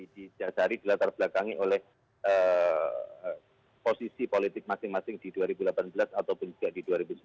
dijasari dilatar belakangi oleh posisi politik masing masing di dua ribu delapan belas ataupun juga di dua ribu sembilan belas